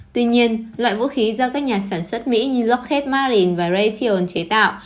tuy nhiên loại vũ khí do các nhà sản xuất mỹ như lockheed martin và raytheon chế tạo